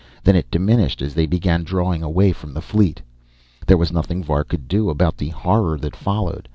Then it diminished as they began drawing away from the fleet. There was nothing Var could do about the horror that followed.